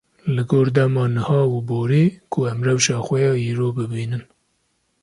li gor dema niha û borî ku em rewşa xwe ya îro bibînin.